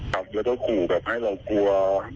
ครับแล้วก็ขู่แบบให้เรากลัว